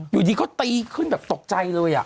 อยู่ดีเขาตีขึ้นแบบตกใจเลย